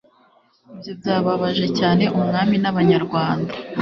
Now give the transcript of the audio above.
ibyo byababaje cyane umwami n'abanyarwanda